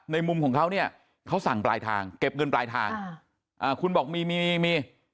มุมของเขาเนี่ยเขาสั่งปลายทางเก็บเงินปลายทางคุณบอกมีมี